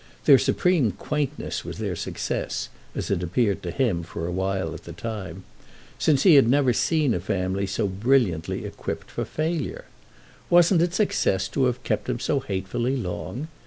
Their supreme quaintness was their success—as it appeared to him for a while at the time; since he had never seen a family so brilliantly equipped for failure. Wasn't it success to have kept him so hatefully long?